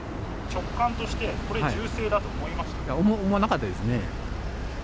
直感として、これ銃声だと思いや、思わなかったですね。